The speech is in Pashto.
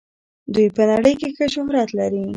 دوی په نړۍ کې ښه شهرت لري.